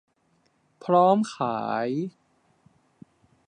พร้อมขาย